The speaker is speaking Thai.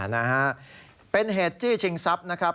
นะฮะเป็นเหตุจี้ชิงทรัพย์นะครับ